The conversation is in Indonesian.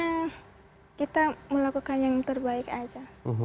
mbak yuni dan juga mas eko lakukan yang terbaik aja